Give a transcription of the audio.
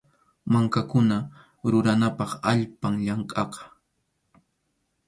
Mankakuna ruranapaq allpam llankaqa.